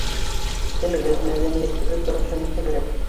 Телебеҙ, мәҙәниәтебеҙ торошо нисегерәк?